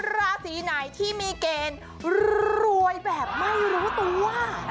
ราศีไหนที่มีเกณฑ์รวยแบบไม่รู้ตัว